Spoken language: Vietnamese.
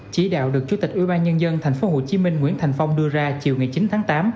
chí đạo được chủ tịch ubnd tp hcm nguyễn thành phong đưa ra chiều chín tháng tám